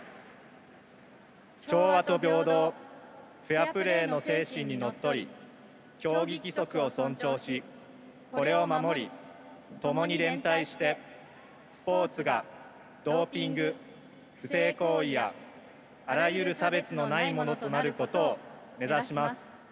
調和と平等フェアプレーの精神にのっとり競技規則を尊重しこれを守り、ともに連帯してスポーツがドーピング、不正行為やあらゆる差別のないものとなることを目指します。